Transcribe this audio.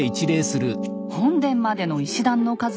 本殿までの石段の数は